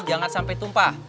jangan sampai tumpah